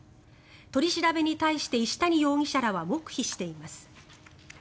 取り調べに対して石谷容疑者らは黙秘しています。